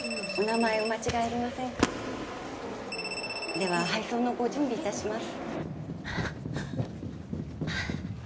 では配送のご準備いたします